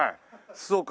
そうか。